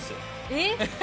えっ！